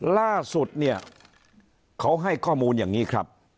ล่าสุดเนี่ยเขาให้ข้อมูลอย่างนี้ครับ